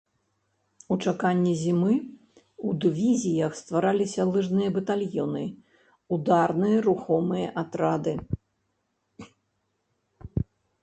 У чаканні зімы ў дывізіях ствараліся лыжныя батальёны, ударныя рухомыя атрады.